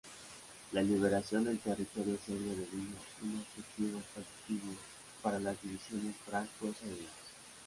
La liberación del territorio serbio devino un objetivo factible para las divisiones franco-serbias.